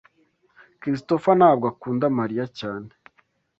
Christopher ntabwo akunda Mariya cyane.